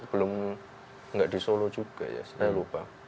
belum nggak di solo juga ya saya lupa